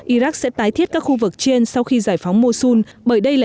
iraq sẽ tái thiết các khu vực trên sau khi giải phóng mosul